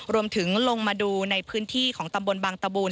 รวมถึงลงมาดูในพื้นที่ของตำบลบางตบูรณ์